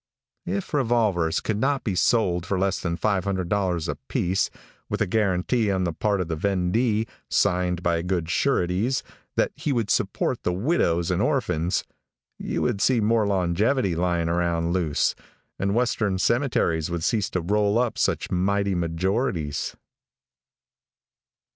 If revolvers could not be sold for less than $500 a piece, with a guarantee on the part of the vendee, signed by good sureties, that he would support the widows and orphans, you would see more longevity lying around loose, and western cemeteries would cease to roll up such mighty majorities.